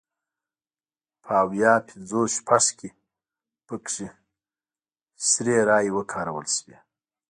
په ویا پینځوس شپږ کې پکې سري رایې وکارول شوې.